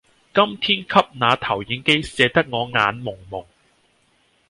今天給那投影機射得我眼濛濛